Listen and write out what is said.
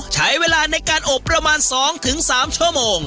ใช้เวลาในการอบประมาณสองถึงสามชั่วโมง